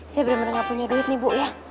saya bener bener nggak punya duit nih ibu ya